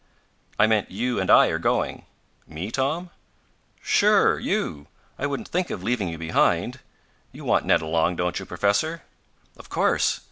'" "I meant you and I are going." "Me, Tom?" "Sure, you! I wouldn't think of leaving you behind. You want Ned along, don't you, Professor?" "Of course.